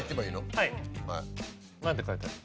はい何て書いてあります？